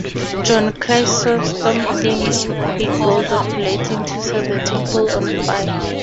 John Chrysostom claimed a bolt of lightning set the temple on fire.